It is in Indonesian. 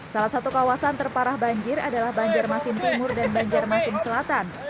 salah satu kawasan terparah banjir adalah banjarmasin timur dan banjarmasin selatan